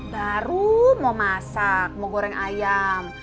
baru mau masak mau goreng ayam